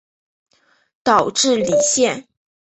岛智里线